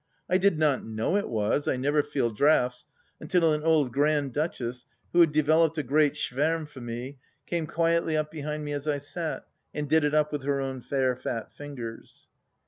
I did not know it was — ^I never feel draughts — ^until an old grand duchess, who had developed a great schwdrm for me, came quietly up behind me as I sat, and did it up with her own fair fat fingers.